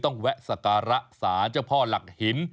แวะสการะสารเจ้าพ่อหลักหิน